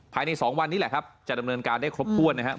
ภายใน๒วันนี้แหละครับจะดำเนินการได้ครบถ้วนนะครับ